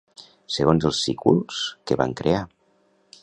Segons els sículs, què van crear?